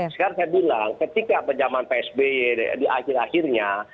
sekarang saya bilang ketika zaman psb di akhir akhirnya